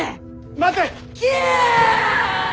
待て！